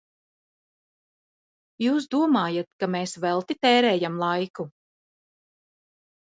Jūs domājat, ka mēs velti tērējam laiku?